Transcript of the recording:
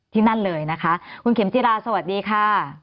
นั่นเลยนะคะคุณเข็มจิราสวัสดีค่ะ